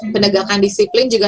penegakan disiplin juga